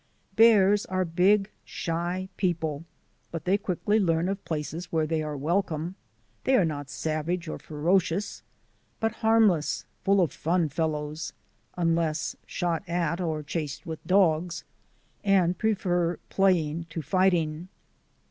Bears are big, shy people, but they quickly learn of places where they are welcome. They are not savage or ferocious, but harmless, full of fun fellows, unless shot at or chased with dogs, and prefer playing to fighting.